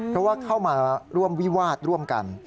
เพราะว่าเข้ามาร่วมวิวาดร่วมกัน